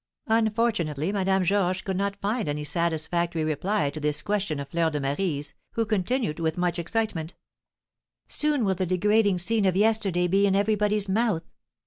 Unfortunately Madame Georges could not find any satisfactory reply to this question of Fleur de Marie's, who continued with much excitement: "Soon will the degrading scene of yesterday be in everybody's mouth!